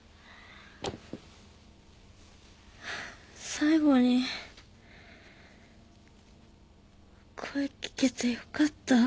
最後に声聞けてよかった。